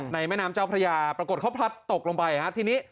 ในแม่น้ำจ้าวภรรยาปรากฎเขาพลัดตกลงไป